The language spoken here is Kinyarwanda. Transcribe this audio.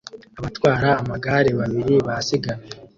Abatwara amagare babiri basiganwa